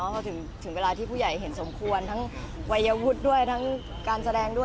ก็ไม่ได้เล่นแฝดนั้นแล้ว